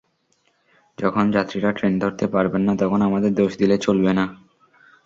যখন যাত্রীরা ট্রেন ধরতে পারবেন না, তখন আমাদের দোষ দিলে চলবে না।